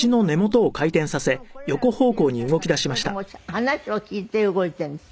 話を聞いて動いてるんですか？